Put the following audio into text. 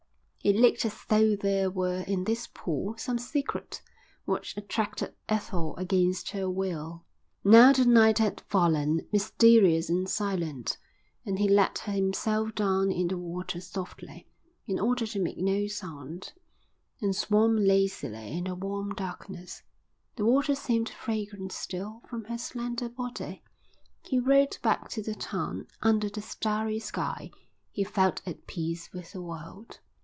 It looked as though there were in this pool some secret which attracted Ethel against her will. Now the night had fallen, mysterious and silent, and he let himself down in the water softly, in order to make no sound, and swam lazily in the warm darkness. The water seemed fragrant still from her slender body. He rode back to the town under the starry sky. He felt at peace with the world.